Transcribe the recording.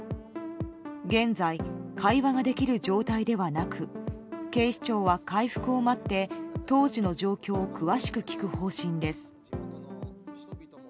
現在、会話ができる状態ではなく警視庁は回復を待って当時の状況を詳しく聞く方針です。